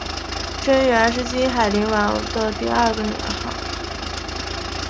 贞元是金海陵王的第二个年号。